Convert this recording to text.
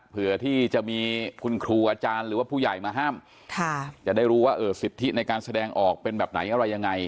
เผื่อที่จะมีคุณครูอาจารย์หรือว่าผู้ใหญ่มาห้ามจะได้รู้ว่าสิทธิในการแสดงออกเป็นแบบไหนอะไรยังไง